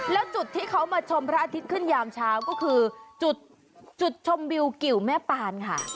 แล้วจุดที่เขามาชมพระอาทิตย์ขึ้นยามเช้าก็คือจุดชมวิวกิวแม่ปานค่ะ